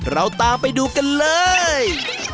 เราตามไปดูกันเลย